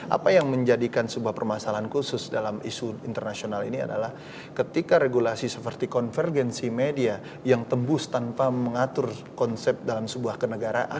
apa yang menjadikan sebuah permasalahan khusus dalam isu internasional ini adalah ketika regulasi seperti konvergensi media yang tembus tanpa mengatur konsep dalam sebuah kenegaraan